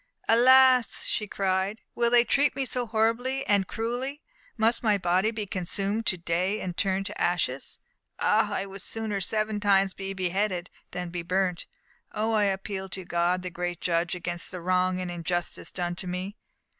"Alas," she cried, "will they treat me so horribly and cruelly? Must my body be consumed to day and turned to ashes? Ah! I would sooner seven times be beheaded than be burnt! Oh, I appeal to God, the great Judge, against the wrong and injustice done to me!"